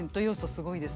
すごいですね。